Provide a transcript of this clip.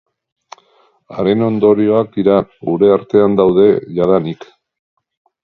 Haren ondorioak dira, gure artean daude jadanik.